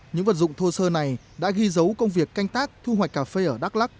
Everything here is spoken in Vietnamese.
những vật dụng thô sơ này đã ghi dấu công việc canh tác thu hoạch cà phê ở đắk lắc